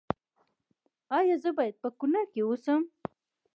ایا زه باید په کنړ کې اوسم؟